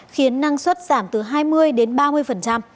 khiến năng suất giảm từ hai mươi đến ba mươi